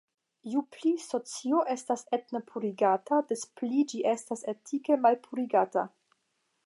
Ju pli socio estas etne purigata, des pli ĝi estas etike malpurigata.